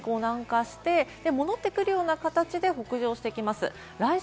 １度南下して戻ってくるような形で北上してきます。